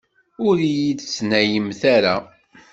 Ur iyi-d-ttnalemt ara!